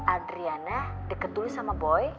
adriana deket dulu sama boy